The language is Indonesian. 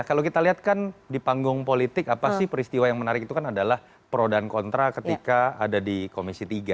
kalau kita lihat kan di panggung politik apa sih peristiwa yang menarik itu kan adalah pro dan kontra ketika ada di komisi tiga